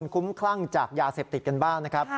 คุ้มคลั่งจากยาเสพติดกันบ้างนะครับ